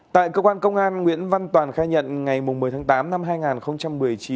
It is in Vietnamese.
tại cơ quan công an nguyễn văn toàn khai nhận ngày một mươi tháng tám năm hai nghìn một mươi chín